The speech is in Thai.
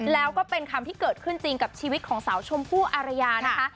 แล้วก็เป็นคำที่เกิดขึ้นจริงกับชีวิตของสาวชมพู่อารยานะคะ